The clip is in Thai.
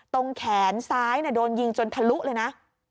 แขนซ้ายโดนยิงจนทะลุเลยนะ